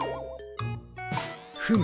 フム。